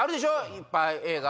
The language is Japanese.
いっぱい映画。